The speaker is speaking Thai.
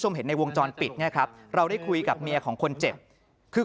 เห็นในวงจรปิดเนี่ยครับเราได้คุยกับเมียของคนเจ็บคือ